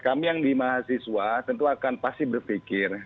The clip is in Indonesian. kami yang di mahasiswa tentu akan pasti berpikir